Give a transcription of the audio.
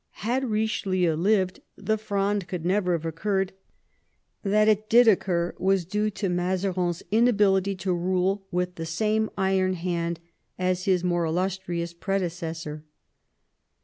Had Kichelieu lived the Fronde could never have occurred ; that it did occur " was due to Mazarin's inability to rule with the same iron hand as his more illustrious predecessor."